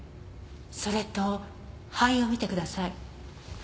それと肺を見てください。